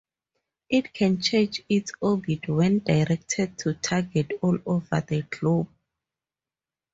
It can change its orbit when directed to target all over the globe.